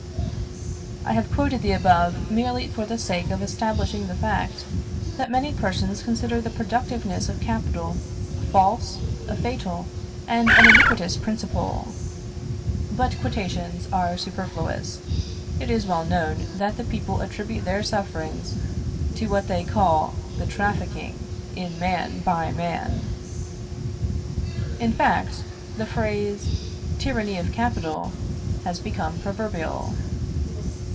I have quoted the above, merely for the sake of establishing the fact, that many persons consider the productiveness of capital a false, a fatal, and an iniquitous principle. But quotations are superfluous; it is well known that the people attribute their sufferings to what they call the trafficking in man by man. In fact, the phrase, tyranny of capital, has become proverbial.